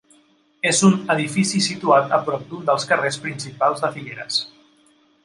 És un edifici situat a prop d'un dels carrers principals de Figueres.